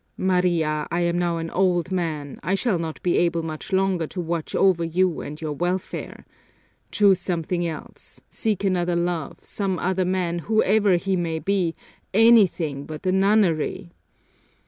"Maria, I am now an old man, I shall not be able much longer to watch over you and your welfare. Choose something else, seek another love, some other man, whoever he may be anything but the nunnery."